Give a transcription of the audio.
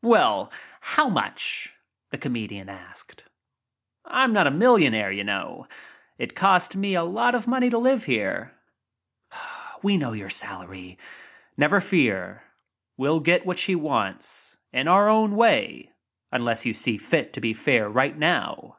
it: Well, how much?" asked the comedian. "I'm not a millionaire, y6u know. It costs me a lot of money to live here "We know your salary — never fear. We'll get what she wants — in our own way— unless you see fit to be fair right now."